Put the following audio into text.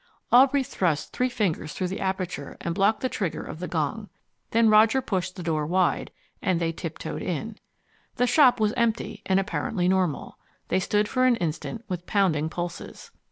Aubrey thrust three fingers through the aperture and blocked the trigger of the gong. Then Roger pushed the door wide, and they tiptoed in. The shop was empty, and apparently normal. They stood for an instant with pounding pulses.